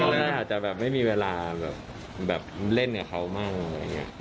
น่าจะแบบไม่มีเวลาแบบเล่นกับเขามั่งอะไรอย่างนี้